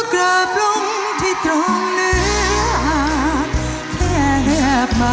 สวัสดีครับ